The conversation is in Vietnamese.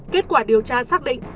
kết quả điều tra xác định